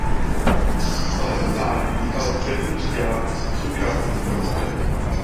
O jeho mládí a hudebním vzdělání nejsou žádné informace.